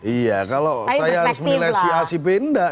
iya kalau saya harus menilai si acp tidak